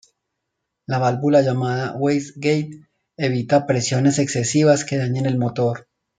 La válvula llamada "waste-gate" evita presiones excesivas que dañen el motor.